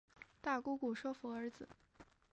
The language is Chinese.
大姑姑说服儿子